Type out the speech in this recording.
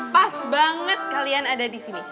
pas banget kalian ada disini